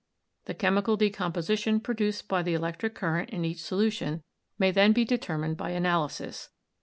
The chemical decomposi tion produced by the electric current in each solution may 252 ELECTRICITY then be determined by analysis.